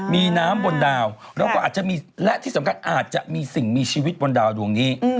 มีน้ำบนดาวแล้วก็อาจจะมีและที่สำคัญอาจจะมีสิ่งมีชีวิตบนดาวดวงนี้